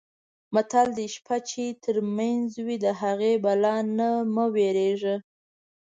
متل دی: شپه یې چې ترمنځه وي د هغې بلا نه مه وېرېږه.